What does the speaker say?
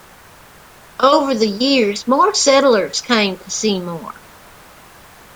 Over the years more settlers came to Seymour.